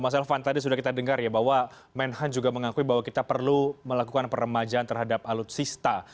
mas elvan tadi sudah kita dengar ya bahwa menhan juga mengakui bahwa kita perlu melakukan peremajaan terhadap alutsista